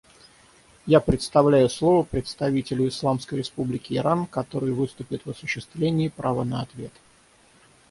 Я предоставляю слово представителю Исламской Республики Иран, который выступит в осуществление права на ответ.